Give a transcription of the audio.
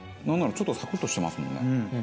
なんならちょっとサクッとしてますもんね。